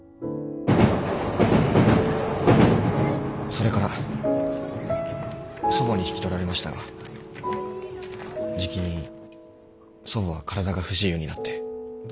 それから祖母に引き取られましたがじきに祖母は体が不自由になって。